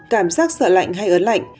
cảm giác sợ lạnh hay ớt lạnh